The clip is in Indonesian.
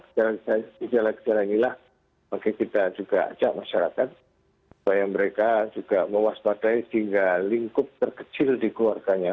gejala gejala inilah makanya kita juga ajak masyarakat supaya mereka juga mewaspadai sehingga lingkup terkecil di keluarganya